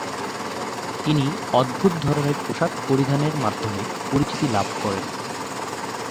তিনি অদ্ভুত ধরনের পোশাক পরিধানের মাধ্যমে পরিচিতি লাভ করেন।